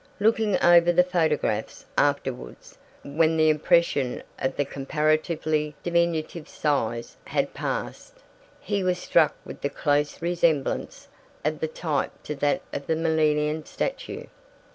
Looking over the photographs afterwards, when the impression of the comparatively diminutive size had passed, he was struck with the close resemblance of the type to that of the Melian statue.